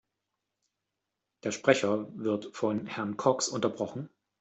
Der Sprecher wird von Herrn Cox unterbrochen.